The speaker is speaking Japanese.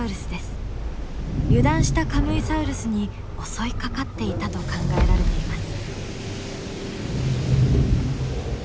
油断したカムイサウルスに襲いかかっていたと考えられています。